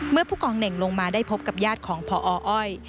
เมื่อผู้กองเหน่งลงมาได้พบกับญาติของพออ้อย